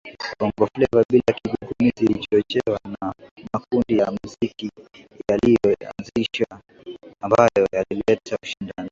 Bongofleva bila kigugumizi ilichochewa na makundi ya muziki yaliyoanzishwa ambayo yalileta ushindani